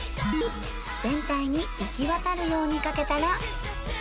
全体に行き渡るようにかけたら